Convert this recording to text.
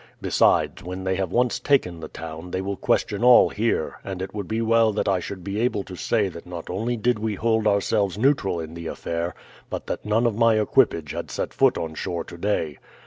Besides, when they have once taken the town, they will question all here, and it would be well that I should be able to say that not only did we hold ourselves neutral in the affair, but that none of my equipage had set foot on shore today.